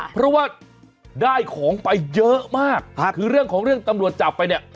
เพราะว่าได้ของไปเยอะมากคือเรื่องของเรื่องตำรวจจับไปเนี่ย